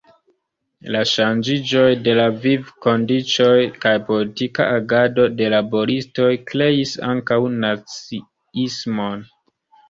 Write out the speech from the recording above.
La ŝanĝiĝoj de la vivkondiĉoj kaj politika agado de laboristoj kreis ankaŭ naciismon.